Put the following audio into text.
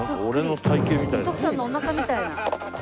徳さんのおなかみたいな。